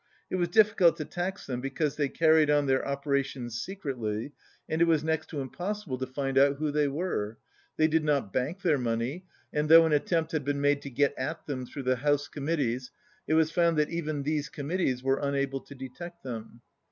It was difficult to tax them because they carried on their operations secretly and it was next to impossible to find out who they 134 were. They did not bank their money, and though an attempt had been made to get at them through the house committees, it was found that even these committees were unable to detect them.